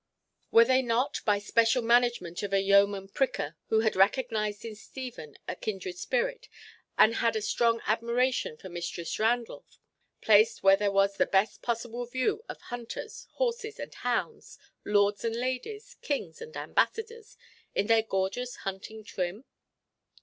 Were they not, by special management of a yeoman pricker who had recognised in Stephen a kindred spirit, and had a strong admiration for Mistress Randall, placed where there was the best possible view of hunters, horses, and hounds, lords and ladies, King and ambassadors, in their gorgeous hunting trim?